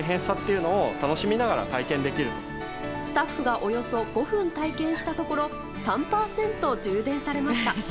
スタッフがおよそ５分体験したところ３％充電されました。